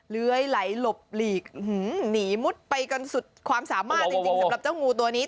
เลื้อยไหลหลบหลีกหนีมุดไปกันสุดความสามารถจริงสำหรับเจ้างูตัวนี้